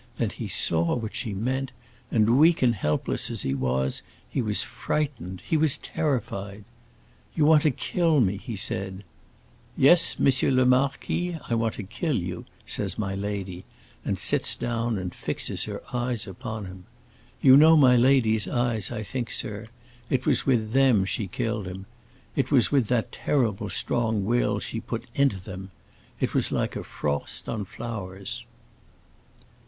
Then he saw what she meant, and, weak and helpless as he was, he was frightened, he was terrified. 'You want to kill me,' he said. 'Yes, M. le Marquis, I want to kill you,' says my lady, and sits down and fixes her eyes upon him. You know my lady's eyes, I think, sir; it was with them she killed him; it was with the terrible strong will she put into them. It was like a frost on flowers."